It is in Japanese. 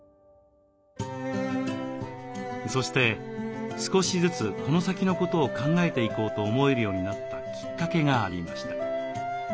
そして少しずつこの先のことを考えていこうと思えるようになったきっかけがありました。